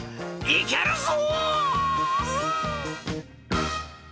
いけるぞ！」。